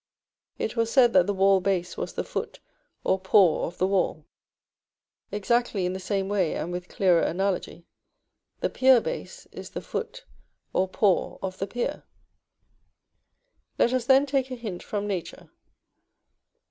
It was said that the wall base was the foot or paw of the wall. Exactly in the same way, and with clearer analogy, the pier base is the foot or paw of the pier. Let us, then, take a hint from nature.